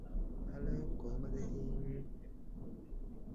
The firefighting was difficult.